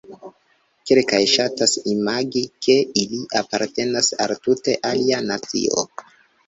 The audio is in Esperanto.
Kelkaj ŝatas imagi, ke ili apartenas al tute alia nacio.